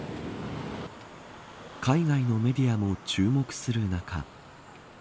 海外のメディアも注目する中。